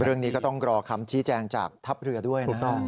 เรื่องนี้ก็ต้องรอคำชี้แจงจากทัพเรือด้วยนะฮะ